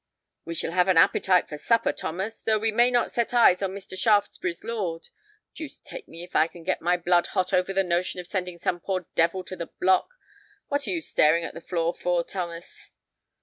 "We shall have an appetite for supper, Thomas, though we may not set eyes on Mr. Shaftesbury's lord. Deuce take me if I can get my blood hot over the notion of sending some poor devil to the block. What are you staring at the floor for, Thomas?"